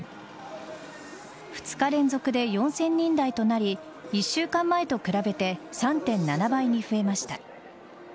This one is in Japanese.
２日連続で４０００人台となり１週間前と比べて３．７倍に増えました。